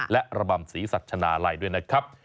และระบำศรีสัชนาลัยด้วยนะครับ